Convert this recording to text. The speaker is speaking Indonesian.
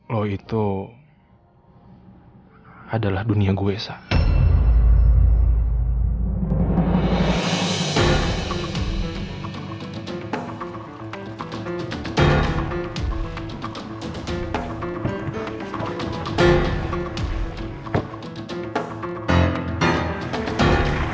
lo tetap beda dari penolong gue